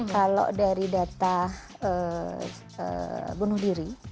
kalau dari data bunuh diri